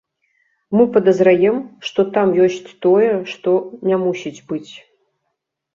Мы падазраем, што там ёсць тое, што не мусіць быць.